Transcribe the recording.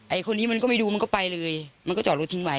ไอคนนี้มันก็ไม่ดูมันก็ไปเลยมันก็จอดรถทิ้งไว้